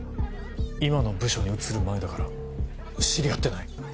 今の部署に移る前だから知り合ってない。